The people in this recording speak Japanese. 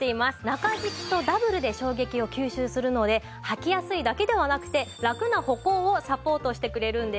中敷きとダブルで衝撃を吸収するので履きやすいだけではなくてラクな歩行をサポートしてくれるんです。